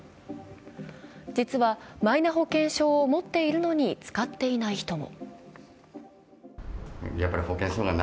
実は、マイナ保険証を持っているのに使っていない人も。